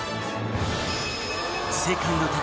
世界の宝